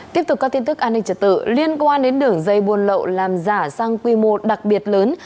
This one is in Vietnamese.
tiếp tục các tin tức an ninh trật tự liên quan đến đường dây buôn lậu làm giả sang quy mô đặc biệt lớn